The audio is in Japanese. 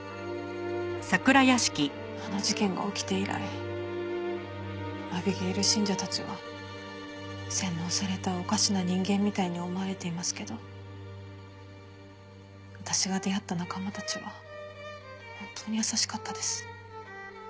あの事件が起きて以来アビゲイル信者たちは洗脳されたおかしな人間みたいに思われていますけど私が出会った仲間たちは本当に優しかったです。